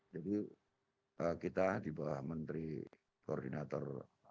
jadi kita di bawah menteri koordinator